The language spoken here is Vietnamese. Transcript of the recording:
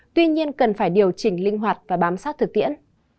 tuy nhiên cần phải điều chỉnh linh hoạt và bám sát thực tiễn